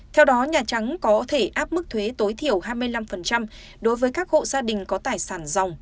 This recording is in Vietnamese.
theo đó nhà trắng có thể áp mức thuế tối thiểu hai mươi năm đối với các hộ gia đình có tài sản dòng